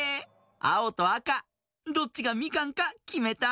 あおとあかどっちがみかんかきめた？